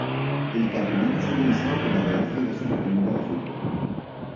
El campeonato fue organizado por la Real Federación Española de Fútbol.